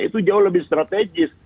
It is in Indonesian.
itu jauh lebih strategis